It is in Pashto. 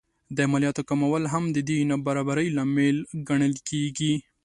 د مالیاتو کمول هم د دې نابرابرۍ لامل ګڼل کېږي